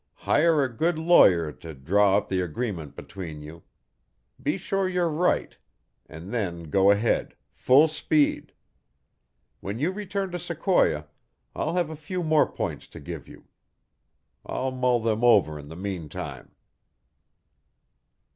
Hire a good lawyer to draw up the agreement between you; be sure you're right, and then go ahead full speed. When you return to Sequoia, I'll have a few more points to give you. I'll mull them over in the meantime."